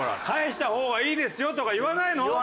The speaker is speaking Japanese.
「返した方がいいですよ」とか言わないの？